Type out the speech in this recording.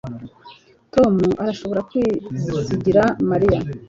Tom arashobora kwizigira Mariya